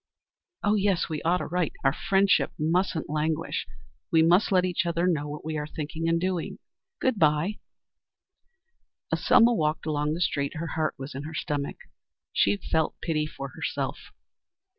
Oh yes, we ought to write. Our friendship mustn't languish. We must let each other know what we are thinking and doing. Good by." As Selma walked along the street her heart was in her mouth. She felt pity for herself.